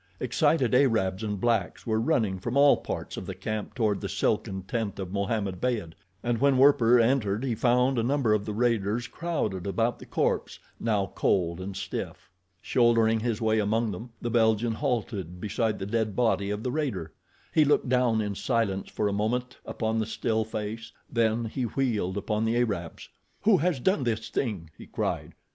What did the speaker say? Excited Arabs and blacks were running from all parts of the camp toward the silken tent of Mohammed Beyd, and when Werper entered he found a number of the raiders crowded about the corpse, now cold and stiff. Shouldering his way among them, the Belgian halted beside the dead body of the raider. He looked down in silence for a moment upon the still face, then he wheeled upon the Arabs. "Who has done this thing?" he cried.